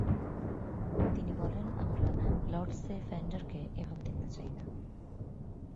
তিনি বলেন, আমরা লর্ডসে ফেন্ডারকে এভাবে দেখতে চাই না।